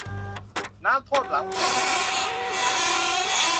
น้ำท่วมหลังเป็ด